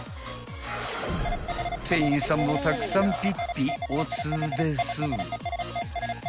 ［店員さんもたくさんピッピおつです］